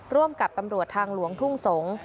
ร่วมกับตำรวจทางหลวงทุ่งสงศ์